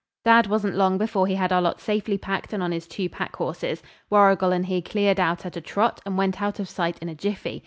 Dad wasn't long before he had our lot safely packed and on his two pack horses. Warrigal and he cleared out at a trot, and went out of sight in a jiffy.